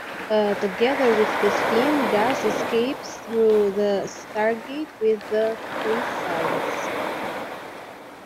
Together with his team, Gus escapes through the Stargate with the chrysalis.